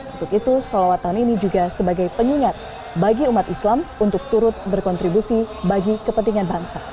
untuk itu salawat tahun ini juga sebagai pengingat bagi umat islam untuk turut berkontribusi bagi kepentingan bangsa